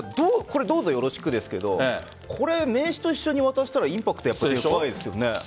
どうぞよろしくですけど名刺と一緒に渡したらインパクトありますよね。